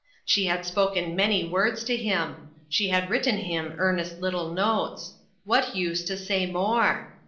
She had spoken many words to him ; she had written him earnest little notes; what use to say more?